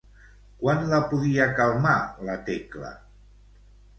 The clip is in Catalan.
Quan la podia calmar la Tecla?